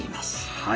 はい。